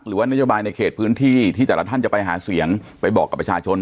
หรือว่านโยบายในเขตพื้นที่ที่แต่ละท่านจะไปหาเสียงไปบอกกับประชาชน